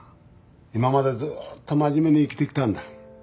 今までずっと真面目に生きてきたんだ。